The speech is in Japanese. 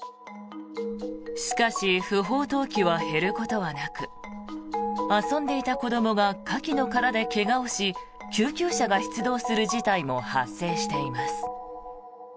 しかし不法投棄は減ることはなく遊んでいた子どもがカキの殻で怪我をし救急車が出動する事態も発生しています。